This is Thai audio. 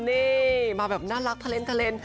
นี่มาแบบน่ารักคล้าเล่น